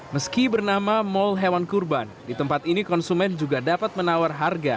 meski bernama mall hewan kurban di tempat ini konsumen juga dapat menawar harga